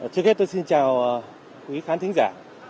trước hết tôi xin chào quý khán thính giả